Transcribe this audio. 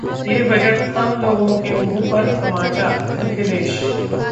ये बजट आम लोगों के मुंह पर तमाचा: अखिलेश